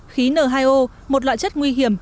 khí n hai o một loại chất nguy hiểm